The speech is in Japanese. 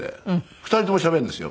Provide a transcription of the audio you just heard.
２人ともしゃべるんですよ。